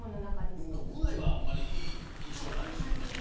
国内はいい印象ないでしょうね。